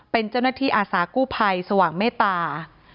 เป็นเจ้าหน้าที่อาสากู้ภัยสว่างเมตตา